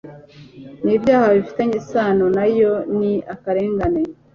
n ibyaha bifitanye isano na yo n akarengane